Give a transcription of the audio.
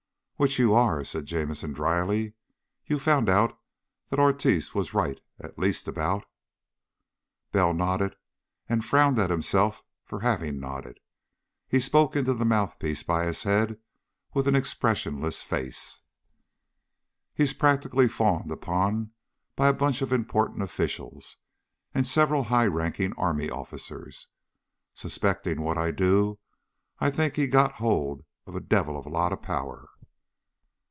"Which you are," said Jamison dryly. "You've found out that Ortiz was right at least about " Bell nodded, and frowned at himself for having nodded. He spoke into the mouthpiece by his head with an expressionless face. "He's practically fawned upon by a bunch of important officials and several high ranking army officers. Suspecting what I do, I think he's got hold of a devil of a lot of power."